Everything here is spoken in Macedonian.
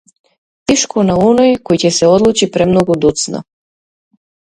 Тешко на оној кој ќе се одлучи премногу доцна.